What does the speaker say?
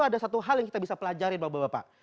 ada satu hal yang kita bisa pelajari bapak bapak